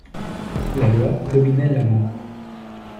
La Loi dominait l'amour.